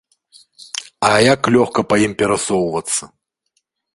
А як лёгка па ім перасоўвацца!